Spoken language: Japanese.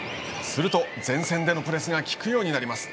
すると、前線でのプレスが効くようになります。